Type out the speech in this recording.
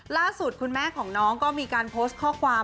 ล่าสุดคุณแม่ของน้องก็มีการโพสต์ข้อความ